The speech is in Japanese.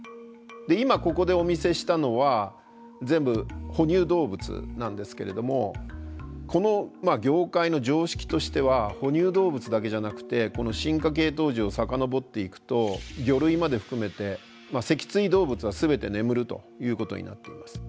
今ここでお見せしたのは全部哺乳動物なんですけれどもこの業界の常識としては哺乳動物だけじゃなくてこの進化系統樹を遡っていくと魚類まで含めて脊椎動物は全て眠るということになっています。